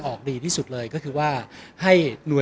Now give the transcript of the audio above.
ก็ต้องทำอย่างที่บอกว่าช่องคุณวิชากำลังทำอยู่นั่นนะครับ